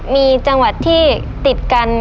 มีจังหวัดที่ติดกัน